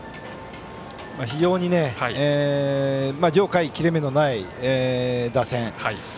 非常に上位、下位切れ目のない打線。